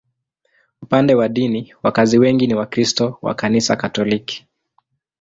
Upande wa dini, wakazi wengi ni Wakristo wa Kanisa Katoliki.